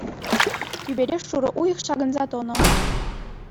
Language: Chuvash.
Тӳпере шурӑ уйӑх ҫакӑнса тӑнӑ.